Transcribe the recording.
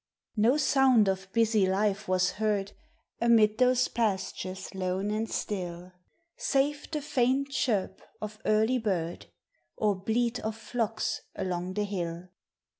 No sound of busy life was heard Amid those pastures lone and still, Save the faint chirp of early bird, Or bleat of flocks along the hill.